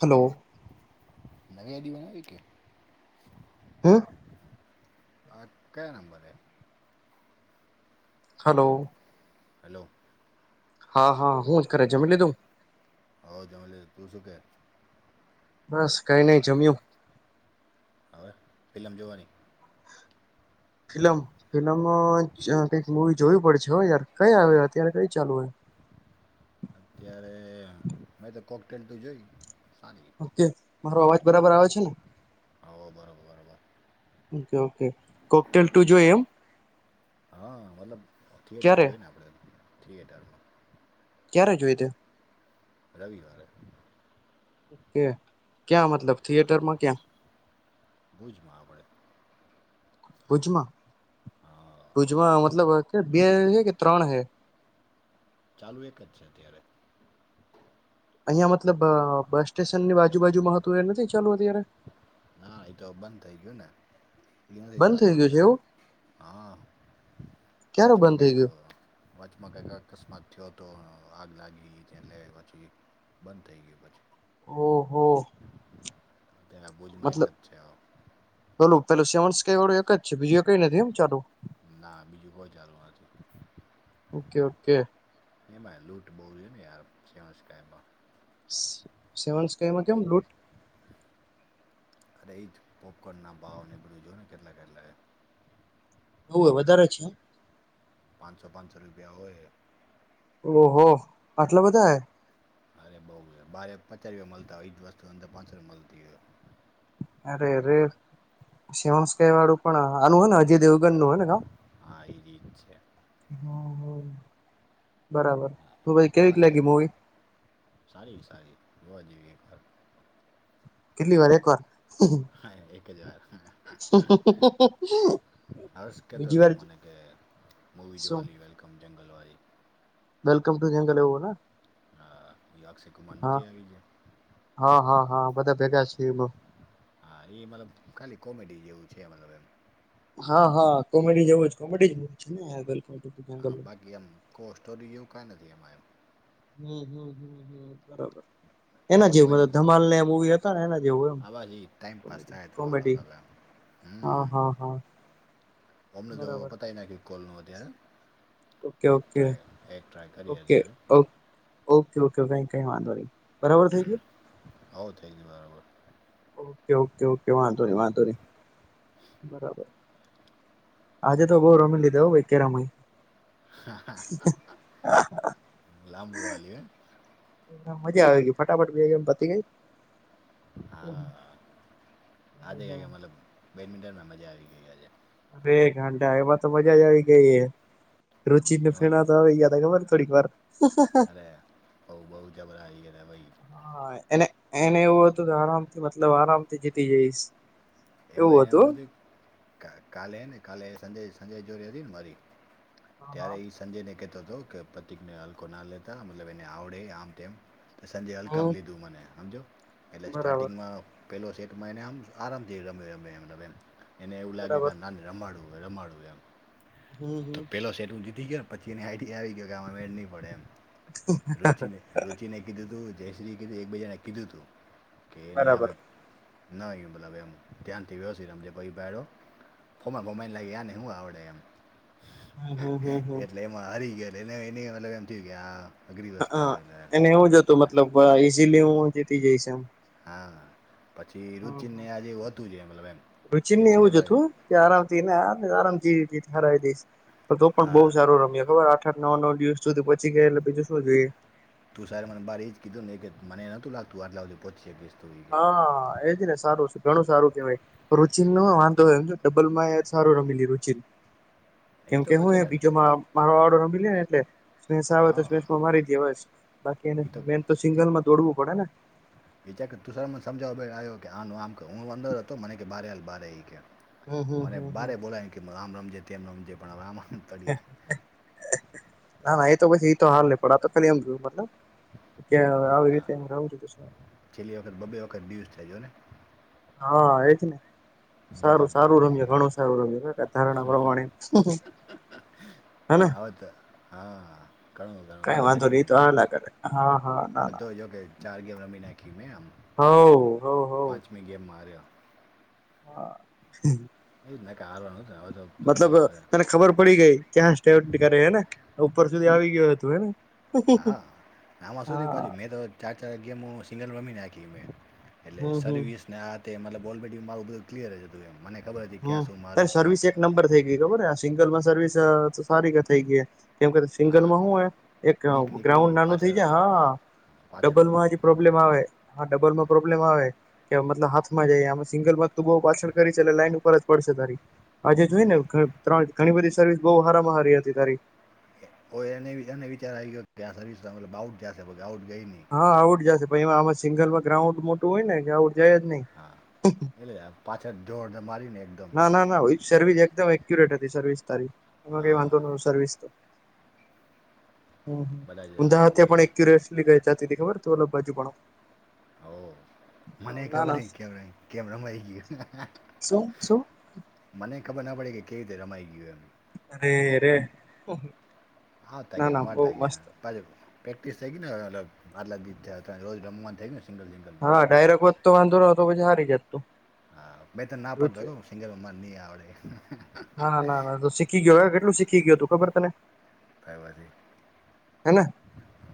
Hello. નવી યાદી બનાવી કે હે. અ ક્યાં નંબરે હલો હલો હા હા હું જ કરે જમી લીધું હો જમ લ તું શું કે બસ કઈ નહ જમ્યું હવે ફિલ્મ જોવાની [inaudible] ફિલમ ફિલમ કઈક મુવી જોવી પડ છે હો યાર કઈ આવે અત્યારે કઈ ચાલુ હોય [inaudible] અત્યારે મે તો કોકટેલ તું જોય ઓકે મારો અવાજ બરાબર આવે છે ને હ બરોબર બરોબર ઓકે ઓકે કોકટેલ ટુ જોઈ એમ હા મતલબ થિયેટર ક્યારે જોય ને આપણેે થિયેટરમાં ક્યા્યારે હજુ એતુ રવિવારે ઓકે ક્યાં મતલબ થિયેટરમાં ક્યાં બુજમાં આપણેે ઉજમાં હા પજમાં મતલબ કે બે હૈ કે ત્રણ હૈ ચાલુ એક જ છે અત્યારે અહિયાયા મતલબ બસ સ્ટેશન ની બાજુબાજુમાંવું એ નથી ચાલું અત્યારે હા એતો બંધ થઇ ગયું ને એ નથી નથી બંધ થઈ ગયું છે ચાલનુંત્યારે એવું હા ક્યારે વચમાં બંધ થઈ કઈક ગયું વાચમાં કઈક અકસ્માત થયો તો આગ લાગી ત્યા લે પછી બંધ થઈ ગય પછી ઓહ [unintelligible] મતલબ જ છે હવે. ચલું પેલું સેવ કઈ વાળું એક જ છે બીજું એ કઈ નથી એમ ચાલુ ના બીજું કોઈ સારું નથી ઓકે ઓકે એ લૂંટ બહુ છે ને યમાં સેવન સ્કઈમાં કેમ બ્ુટ અરે એ જ પોપકોર્ન ના ભાવ બળું જો ને કેટલા કેટલા એવ હો વધારે છે પાંચસો પાંચસો રૂપિયા હોય ઓહો આટલા બધા હ અરે બઉ ભારે પચાસ રૂપિયા મળતા હોય એજ વસ્તુ અંદર પાંચસો રપિયા મળતી હોય અરે રરે સેવન સ્કઈ વાળું પણ આનું હો ને અજીય દેવું ગ નનેા હા એ રીત છે બરાબર તો ભાઈ હા કેવીક લે લાગી મુવી સારી સારી જોવા જઈવીએ કેટલી વાર એક વાર હા એક હજાર હર્ષ કહેતો બીજી હતો વાર મને કે મૂવી શું જવાલી વેલ્કમ જંગલવાી વેલકમ ટુ જંગલ એવું હા એ અક્ષય કુમાર હા નથી આવી છે હા હા હા બધા ભેગા છે એ બ હા એ મતલબ ખાલી કોમેડી જેવું છેલમ હા હા કોમેડી જેવું જ કોમેડી જ મવી છે ને બિલકુલ. હા બાકી એમ કો સોરી જેવું કઈ નથી એ એમ. હમ હમ હમ હ બરાબર. એના બહુ જેવું ભાઈ ધમાલને એવું મુવી હતા ને એના જેવું એમ આવાથી ટાઈમપાસ થાય તમારો કોમેડી. અલગ એમ હા હમ હા હા. અમને તો બરાબર પતાય નાખ્યું કોલ નું ત્યારે. ઓકે ઓકે કરીએ ઓકે અત્યારે ઓકે ઓકે કઈ કઈ વાંધો નહી. બરાબર થઈ ગયું હો થઈ ગયુ બરાબર. ઓકે ઓકે ઓકે વાંધો નહી વાંધો નહી. બરાબર આજે તો બઉ રમી લીધો ભાઈ કેરમ. લાંબુ હાલ્યું હે. મજા આવી ગઈ ફટાફટ ભી એમ પતી ગઈ. હે હ હા હ આજે હા. કાંઈક મતલબ બેડમિન્ટનમાં મજા આવી ગઈ આજે. અરે ગાંડા એમાં તો મજા જ આવી ગઈ રુચિને એ વાત ફેણા તો આવી ગયાતા ખબર છે તને. થોડીક વાર. અરે બઉ બઉ જબરાઈ અરે ભાઈ હા એને એને એવું હતું કે આરામથી મતલબ આરામથી જીતી જઈશ. એમાં એવું એને હતું સુધી કાલે ને કાલે સાજે સાજે જોડી હતી ને મારી. હા હા ત્યારે ઈ સંજયને કેતો હતો કે પ્રતીકને હલકો ના લેતા મતલબ એને આવડે આમ તેમ તો સંજયે હમ હલકામાં લીધો મને સમજયો એટલે બરાબર સ્ટાર્ટિંગમાં પહેલો સેટ મહિને આમ આરામ રમે રમે એમ રમે એને એવું લાગ્યું બરાબર કે ના રમાડવું હો રમાડવ એમ. હમ તો હમ પેલો સેટ હું જીતી ગયો પછી એ આઈડીયા આવી ગયો કે આ મેડ નહી પડે એમ. રુચિને રુચિને કીધું તું જયશ્રી કીધું એકબજા કીધું તું. કે એની બરાબર સામે ન આય એમ. ધ્યાનથી વ્યવસ્થિત રમજે પછ [inaudible] [inaudible] ભડ ખોમા બોમાઈને લાગી આ ને શું આવડે એમ હમ હમ હમ હમ એટલે એમાં હારી ગયો અને એટલે એને મતલબ એમ થયું કે હા. હ હ એને એવું જ હતું કે મતલબ ઈઝીલી હું જીતી જઈશ એમ. હા. પછી હમ રુચિનને આજે એવું હતું જ એ મતલબ એમ હ કે રુચિને છેલ્લે એવું જ ભાઈ હતું કે આરામથી એને આરામથી હરાઈ દઈશ તું પણ બહુ હા સારું રમ્યો ખબર છે. નવ નવ દિવસ સુધી પછી ગયા એટલે બીજું શું જોઈએ. તું મને બાર એ જ કીધું ને કે મને નહતું લાગતું આટલા બધે પહોંચી શકીશ. તું એ કે હા એજ ને સારું છે ઘણું સારું. વાય રુચિન નો વાંધો એમ ડબલમાં સારું રમી લીધું રુચિને. કેમ તો કે હું છે ને એ બીજો મારો ઓર્ડર હમી લે એટલે સ્સ આવે તો હા સ્સમાં મારી દે હો બાકી એને મેઈન તો સિંગલમાં દોડવું પડે ને. વિચાર કર તું સાલા મને સમજાવો આવ્યો કે આનું આમ કર હું અંદર હતો મને કે બારે હાલ બારે એ કે. હમ હમ મને હમ હમ બારે બોલાયને કે આમ રમજે તેમ રમજે પણ હવે આમા. ના ના એતો પછી એતો હાલે નહી પણ આ તો ખાલી એમ જોયું. ત્યાં આવી રીતે એમ રું છું તું. કઢીજને [inaudible] હા એ જ ને. ગજબ સારું થઈ સારું ગયા રમ્યા ઘણું સારું રમ્યા એ ધારણા પ્રમાણે. હેને હવે તો હા ઘણું ઘણું કઈ આપણે વાંધો ઘણી નહી એ તો હાલ્યા કરે હા હા ના પણ ના. તો જો કે ચાર ગેમ રમી નાખી. મેં આમ હઉ હઉ હઉ. પાંચમી ગેમમાં હાર્યો હ હમ. એને કે હાલો ને. હવે તો પતી મતલબ ગયું હવે તને ખબર પડી ગઈ ક્યા સ્ટે કરે હેને? ઉપર સુધી આવી ગયો તું એમ? હા આમાં શું થયું પાછું મેં તો ચાર ચાર ગેમ સિંગલ રમી નાખી મે. એટલે હમ હમ સર્વિસ ને આતે મતલબ અલરેડ માર બધ ક્લીઅર હતું. મને ખબર હતી ક્યાં હમ્મ શું ત મારું ક્યાં સર્વિસ તે એક નંબર થઇ ગઈ ખબર સિંગલમાં સર્વિસ સારી થઈ ગઈ હે. કેમ કે હા સિંગલમાં હું એક બીક નીકળી ગ્રાઉન્ડ ગઈ નાનું થઇ પાછળ જાય હા. પાછળ હોય ડબલમાંજ બીક પ્રોબ્લેમ આવે હા ડબલમાં પ્રોબ્લેમ આવે કે મતલબ હાથમાં જઈમે સિંગલ માં તું બહુ પાછળ કરીલે લાઈન ફરજ પડશે તારી. આજે જોઈ સિંગલ ને ત્રણ ઘણી બધી સર્વિસ બ હારમાં હારી હતી તારી. ઓ એને એને વિચાર આવી ગયો કે આ સર્વિસ મ આઉટ જશે આઉટ ગઈ નહી. હા આઉટ જશે એમાં આમાં સિંગલમાં ગ્રાઉન્ડ મોટું હોય ને કે આઉટ જાય જ નહી. પાછા જ જોડ ના ના ના સર્વિસ એકદમ એકુરેટ હતી સર્વિસ તારી એમાં કઈ વાંધો હા ન સર્વિસ તો. હમ્મ હમ્મ. બધા જ ઊંધા પણ જોઈને એક ક્યુરિયસલી ગ ચાતીથી ખબર ઓ બાજુ પણ ઓ મને ના ખબર ના ન કે કેમરામાં આવી ગયું. શું શું મને ખબર ના પડે કે કેવી રીતે રમાઈ ગયું એમ. તેરે. હા ત ગે મા તગે ન ગ્યા. પ્રેક્ટિસ થઈ ગી ને મતલબ આટલા ગીત તા રોજ રમવા થઈ ને. હા ડાયરેક્ટ વધતો વાંધો નોતો પછી હારી જતું. હા મે તો ના પાડતો સિંગર માંને નહી આવડે. હા ના ના તો શીખી ગયો હવે કેટલું શીખી ગયું તું ખબર તને? થબર ની. લે.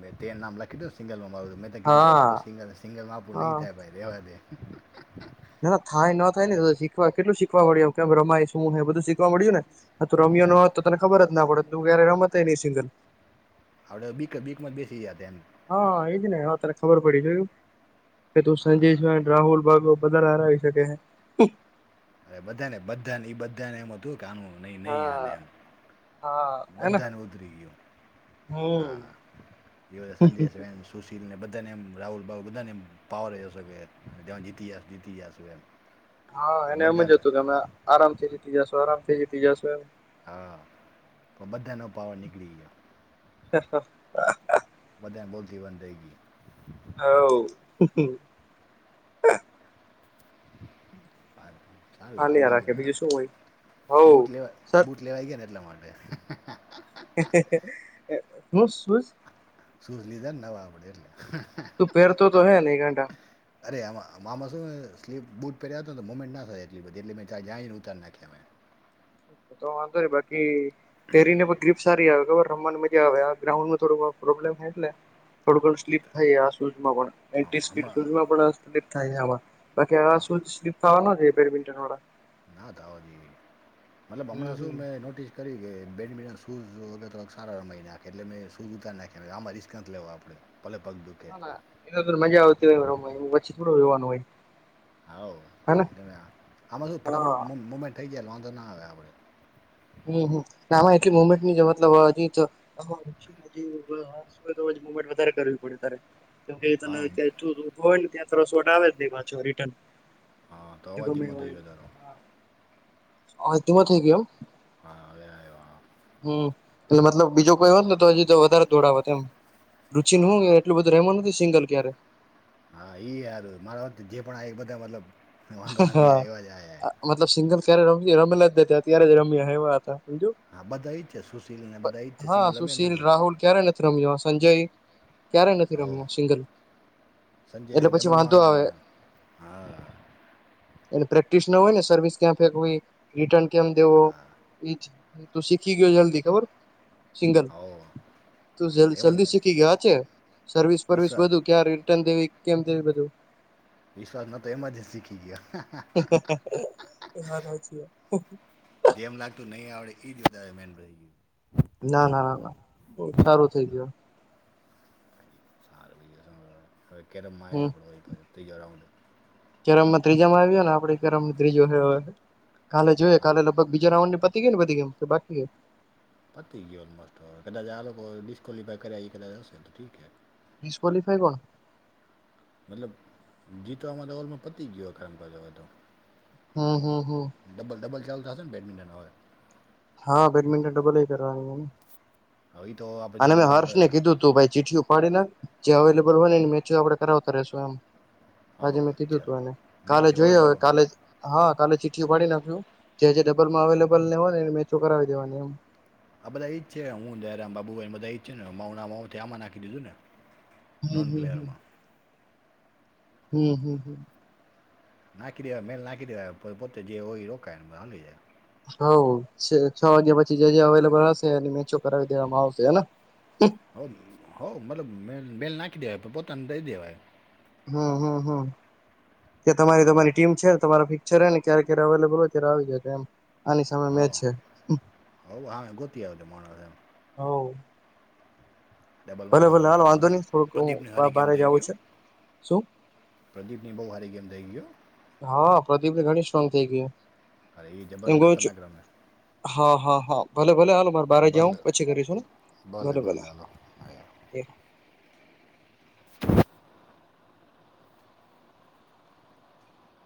મેં તે નામ લખી સિંગલ માં મે કીધું આપણું હા સિંગલ સિંગલમાં આપું નહીં થાય ભાઈ રેવા દે. નો થાય નો થાય ન થાય ને શીખવા કેટલું શીખવા મળડ્યું કેમ રમાય શું હ બધું શીખવા મળ્યું ને. [inaudible] ઈ ન હા હોત તો તને ખબર જ ના પડે તું ક્યારે રમત નહી સિંગલ. આપડે બી બીક માં જ બેસી જયા એમ. હા એજ ને હા તને ખબર પડી જોયું કે તું હા સંજેશભાઈ રાહુલ બા બધારે હાર આવી શકે છે. અરે બધાને બધાને એ બધાને એમ હતું કે આનું નહી નહી હાલે હા એમ. હા હેને બધાને ઉતરી ગયો. હમ હા. એ સંજય છન સુશીલ ને બધા બધાને એમ રાહુલ બાબુ બધાને એમ પાવર રહશે કે જીતીશ જીતી જશું એમ. હા પણ એને એમજ હતું બધા કે તમે આરામથી જીતી જશો આરામથી જીતી જશો એમ. હા તો બધાનો પાવ નીકળી ગયો. [unintelligible] ધાન બવ જીવન થઈ ગયું. હાવ. સારું હાલ્યા આવડી રાખે ગયું બીજું શું હોય ને હવ બૂટ લેવા સર બુટ લેવા ગયા ને એટલા માટે. [unintelligible] હું શુંઝ? સુૂઝ લીધાને નવા આપડે એટલે. તોપેર તો તો હૈ નને ઘંટા. એટલી બુટ પહેર્યાને મોમેન્ટ ના થાય એટ બધી એટલે મે ચ જને ઉતારી નાખ્યા મેં. તો વાંધો નહી બાકી પેરીને પણ ગ્રીપ સારી આવે. ખબર રમવાની મજા આવે આ ગ્રાઉન્ડમાં થોડું પ્રોબ્લેમ થાય એટલે થોડું ઘણું સ્લીપ થાય આ શૂઝમાં પણ. એટી હા સ્પીડ હમણાં માં પણ [inaudible] થાય છે આમાં બાકી શુ સ્લીપ થવાનો છે બેડમિન્ટ વાળા. ના થાવ જઈ મતલબ હમ હમણાં શું હમ મેં નોટિસ કરી કે બેડમિન્ટન શૂઝ વ સારા નાખે એટલે મેં શઝ ઉતાર નાખ્યા આમાં રિસ્ક નથી લે આપડે. હ ના એ મજા આવતી હોય પછી થોડું જોવાનું હોય હા હેને આમાં શું હા ફટાફટ મુમેન્ટ થઈ ગયા વાંધો ના આવે આપડે હમ ઊ હોય તો મુમેન્ટ વધારે કરવી પડે તારે કે હા તનેભું હોય ને ત્યાસ વોટ આવે જ નહી પાછો રિટર્ન હા તો બધ અવાજ ધીમો કમેીન હ થઈ ગયો તારો હ તમાં થ ગમ હા હ આવ હા હમ એટલે મતલબ બીજો કોઈ હોત ને તો હજી તો વધારે દોડાવો રુચિ ન હું હા એટલું બધું ર રહેવાનું નથી સિંગલ ક્યારે હા ઈ યાર મારાત જે પણ એક બધા મતલબ વાંધો નથી હા આ એવા જ આ મતલબ સિંગલ ક્યારે રમ રમેલા જ ત ત્યારે જ રમ્યા એવા હતા જ હા બધા ઈ જ છે સુશીલ ને બધા ઈ જ છે હા સિંગલ અમે જ સુશીલ નથી રાહુલ ગયા ક્યારે નથી રમ્યો સંજય ક્યારેય નથી હો રમ્યા સિંગલ સંજય એટલે પછી ડબલ વાંધો મા આવે હા એ પ્રેક્ટિસ ના હોય ને સર્વિસ ક્યા ફેકવી રિટન કેમ દેવો એ તું શીખી ગયો જલ્દી ખબર સિંગલ [inaudible] તું એમ જ ને જલ્દી શીખી ગયા છે સર્વિસ પરવિસ વિશ્વાસ બધું ક્યાં રિટર્ન દેવી કેમ જેવી બધું વિશ્વાસ ના તો એમરજન્સી કી ગયા એ વાત છેી ઈડીધ એ પદ ના ના ના ના બ સારું થઈ ગયું સારું કેરમમાં હમ આપણે ત્રીો રાઉન્ડ કેરમમાં ત્રીજા માં આવ્યો ને આપે કેરમ ત્રીજો હ કાલે જોઈએ કાલે લગભગ બીજા રાઉન્ડ ની પતિ ગયા ને બધ ગેમ બાકી પતી ગય ઓ કદાચ આ ડિસ્કલિફાઈ કર્યા કાચ હશે તો ઠીકે ડિસ્ક્વલીિફાઈ કોણ મતલબ જીતોમાં તો ઓલમાં પતી જ ગયો ખર તો હા હમ હ ખલ થને બેડમિંન્ટન આવે હા બેડમિંન્ટન ટબલ કરવાની હવે તો આપણે અને મેં જે હર્ષને કીધું તું ભાઈ ચીઠિું પાડી ના જે અવેલેબલ હોય ને ને મેચ આપડણે કરાવતા રશું એમ હો આજે મેં કીધું અચ્છા તું એને કાલે મેચ હોય જોયયો તો હવે કાલે હા કાલે ઉપડી નાખ્યું જે ડબલમાંબ હોવા મેો કરાવી દેવાની એમ આ બધા ઈ જ છે હું જયરામ બાબુાઈને બધા ઈ જ છે ને મા મા આમાં નાખી દીધું ને હમ નન હમ હમ બ્લેરમાં હમ હમ હમ નાખી દેવા મેલ નાખી દેવા પોતે જે હોય રોકાય હલી જાય હ છ વાગ્યા પછી જે અવેલેબલ હશે અને મે કરાવી દેવામાં આવશે હેના બેલ નાખી દેવાય પોતાને દઈ દેવાય હમમ ત્યા તો તમારી તમારી ટીમ છે તમારો ફિક છે ને ક્યારે ક્યારે અવેલેબલ હોય ત્યારે આવી જાય એમ આની સામે મે હો છે હો હા ગોતી આવે તે માણસ એમ હ ડબલમાં ભલે થોડો ભલે મોકો હાલ વાંધો મળશે ને નહી થોડુંક પ્રદીપની હું બારે જવું છે શું પ્રદીપ ની બહુ સારી ગેમ થઇ ગયો હા પ્રદીપ ઘણી સ્ટ્રોંગ થઇ ગય અરે એ જબર એમ ક છ ખતરનાક રમે હા હા હા ભલે ભલે હાલો મારે બાર જાવ ભલે પછી કરીશું ભલે ભલે એ.